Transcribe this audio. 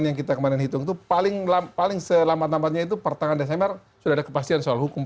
yang kita kemarin hitung itu paling selamat lambatnya itu pertengahan desember sudah ada kepastian soal hukum